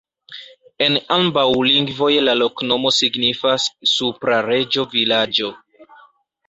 En ambaŭ lingvoj la loknomo signifas: supra-reĝo-vilaĝo.